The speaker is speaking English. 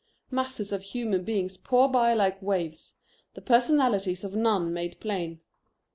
Masses of human beings pour by like waves, the personalities of none made plain.